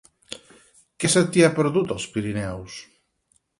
Què se t'hi ha perdut, als Pirineus?